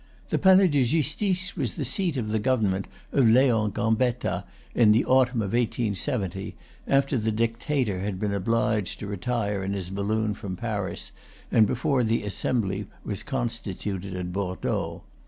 The Palais de Justice was the seat of the Government of Leon Gambetta in the autumn of 1870, after the dictator had been obliged to retire in his balloon from Paris, and before the Assembly was constituted at Bordeaux.